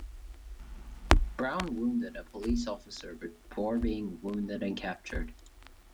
Brown wounded a police officer before being wounded and captured.